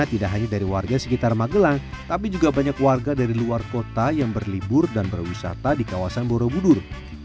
tidak hanya dari warga sekitar magelang tapi juga banyak warga dari luar kota yang berlibur dan berwisata di kawasan borobudur